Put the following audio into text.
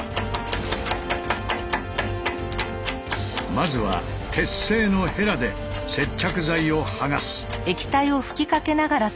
まずは鉄製のヘラで接着剤を剥がす。